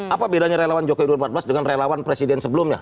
apa bedanya relawan jokowi dua ribu empat belas dengan relawan presiden sebelumnya